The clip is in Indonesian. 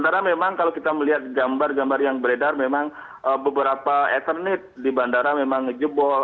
karena memang kalau kita melihat gambar gambar yang beredar memang beberapa ethernet di bandara memang ngejebol